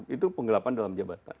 itu penggelapan dalam jabatan